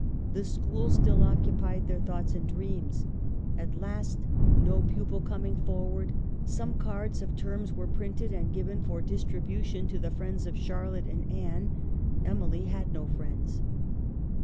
The school still occupied their thoughts and dreams. At last, no pupil coming forward, some cards of terms were printed and given for distribution to the friends of Charlotte and Anne ; Emily had no friends.